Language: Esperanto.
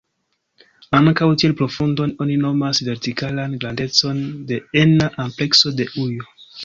Ankaŭ kiel profundon oni nomas vertikalan grandecon de ena amplekso de ujo.